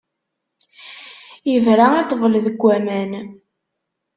Ibra i ṭṭbel deg waman.